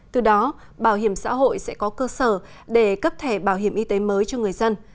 từ đó bảo hiểm xã hội sẽ có cơ sở để cấp thẻ bảo hiểm y tế mới cho người dân